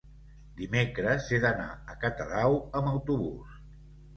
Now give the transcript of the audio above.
Dimecres he d'anar a Catadau amb autobús.